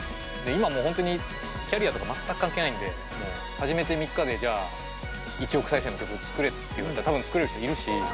今本当にキャリアとか全く関係ないんで始めて３日で１億再生の曲作れって言われたら多分作れる人いるし。